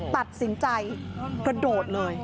ตัดสินใจกระโดดเลย